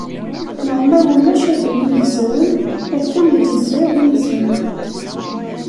Neɣ ma ulac ad iyi-gezren akken igezzer yizem.